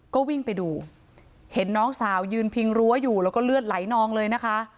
ก็วิ่งไปดูเห็นน้องสาวยืนพิงรั้วอยู่แล้วก็เลือดไหลนองเลยนะคะ